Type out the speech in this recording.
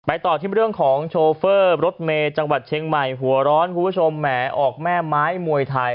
ต่อที่เรื่องของโชเฟอร์รถเมย์จังหวัดเชียงใหม่หัวร้อนคุณผู้ชมแหมออกแม่ไม้มวยไทย